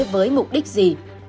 với mục đích gì